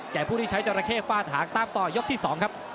แก่ผู้ได้ใช้จาระเข้ฝ่าถากตามต่อยกที่๒ครับ